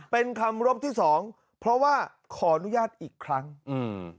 เป็นคำรบที่สองเพราะว่าขออนุญาตอีกครั้งอืม